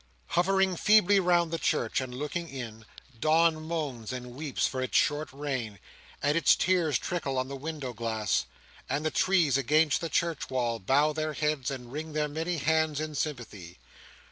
Hovering feebly round the church, and looking in, dawn moans and weeps for its short reign, and its tears trickle on the window glass, and the trees against the church wall bow their heads, and wring their many hands in sympathy.